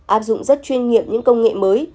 áp dụng rất chuyên nghiệp những công nghệ mới